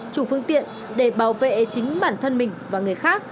chủ phương tiện để bảo vệ chính bản thân mình và người khác